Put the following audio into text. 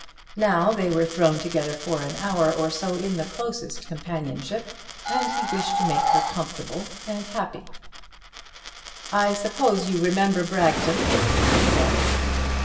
Now they were thrown together for an hour or so in the closest companionship, and he wished to make her comfortable and happy. "I suppose you remember Bragton?" he said.